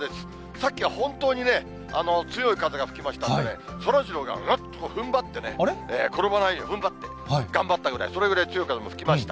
さっきは本当にね、強い風が吹きましたんでね、そらジローがぐっとふんばってね、転ばないようにふんばって、頑張ったぐらい、それぐらい強い風も吹きました。